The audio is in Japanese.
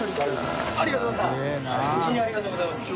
ありがとうございます。